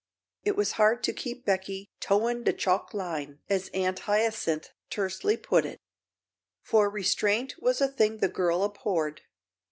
It was hard to keep Becky "toein' de chalk line," as old Aunt Hyacinth tersely put it, for restraint was a thing the girl abhorred.